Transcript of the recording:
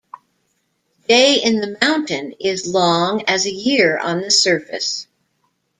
Day in the mountain is long as a year on the surface.